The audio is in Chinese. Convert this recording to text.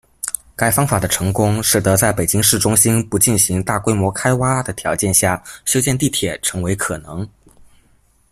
该方法的成功，使得在北京市中心不进行大规模开挖的条件下修建地铁成为可能。